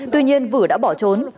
tuy nhiên vử đã bỏ trốn